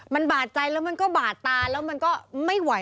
มันบาดใจแล้วมันก็บาดตาแล้วมันก็ไม่ไหว